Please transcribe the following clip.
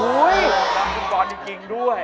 แล้วนำผู้กรดีจริงด้วย